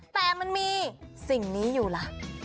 แต่มันมีสิ่งนี้อยู่ล่ะ